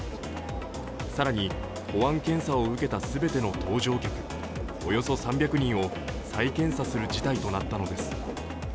更に、保安検査を受けた全ての搭乗客およそ３００人を再検査する事態となったのです。